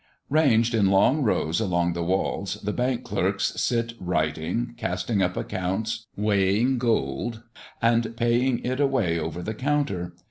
Ranged in long rows along the walls, the Bank clerks sit writing, casting up accounts, weighing gold, and paying it away over the counter.